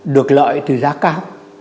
được lợi từ giá cao